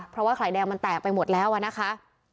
เพราะว่าไข่แดงมันแตกไปหมดแล้วอะนะคะ